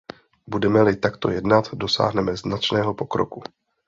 Budeme-li takto jednat, dosáhneme značného pokroku.